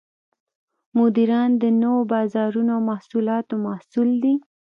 مدیران د نوو بازارونو او محصولاتو مسوول دي.